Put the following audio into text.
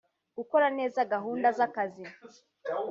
gukora neza gahunda z’akazi